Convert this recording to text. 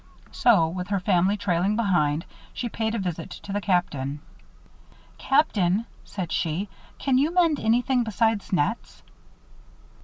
So, with her family trailing behind, she paid a visit to the Captain. "Captain," said she, "can you mend anything besides nets?"